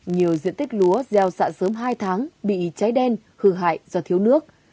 nhiều diện tích lúa gieo xạ sớm hai tháng bị cháy đen hư hại do thiếu nước